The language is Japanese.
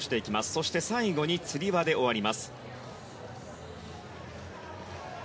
そして最後につり輪で終わります。